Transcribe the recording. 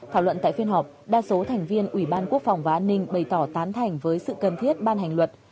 thảo luận tại phiên họp đa số thành viên ủy ban quốc phòng và an ninh bày tỏ tán thành với sự cần thiết ban hành luật